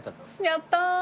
やったー。